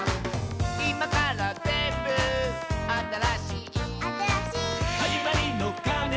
「いまからぜんぶあたらしい」「あたらしい」「はじまりのかねが」